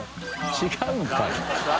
違うんかい。